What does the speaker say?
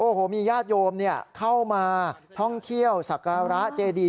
โอ้โหมีญาติโยมเข้ามาท่องเที่ยวสักการะเจดี